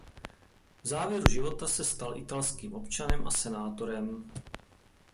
V závěru života se stal italským občanem a senátorem.